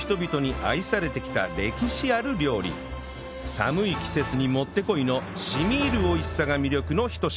寒い季節にもってこいの染み入る美味しさが魅力のひと品